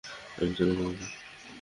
আমি চলে যাব, ভাই?